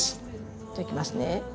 じゃあいきますね。